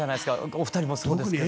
お二人もそうですけど。